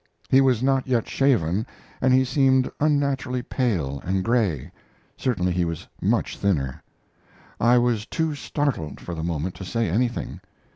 He was not yet shaven, and he seemed unnaturally pale and gray; certainly he was much thinner. I was too startled, for the moment, to say anything.